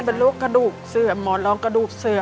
แม่เป็นลูกกระดูกเสื่อมหมอลองกระดูกเสื่อมค่ะ